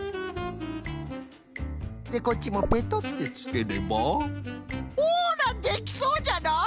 でこっちもペトッてつければほらできそうじゃない！？